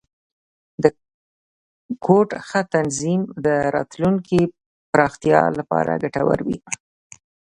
د کوډ ښه تنظیم، د راتلونکي پراختیا لپاره ګټور وي.